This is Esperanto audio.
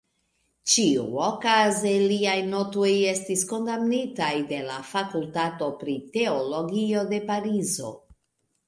Ĉiuokaze, liaj notoj estis kondamnitaj de la Fakultato pri Teologio de Parizo.